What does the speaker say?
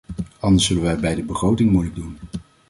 Anders zullen wij bij de begroting moeilijk doen.